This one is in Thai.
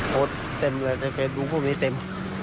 โพสต์เต็มเลยในเฟซดูพวกนี้เต็ม